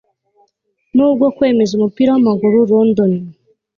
nubwo kwemeza umupira wamaguruLondon